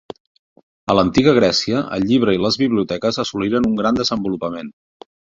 A l'antiga Grècia el llibre i les biblioteques assoliren un gran desenvolupament